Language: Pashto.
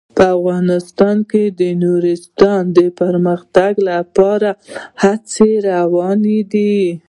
په افغانستان کې د نورستان د پرمختګ لپاره هڅې روانې دي.